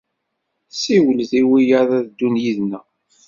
Siwlet i wiyaḍ ad d-ddun yid-nneɣ.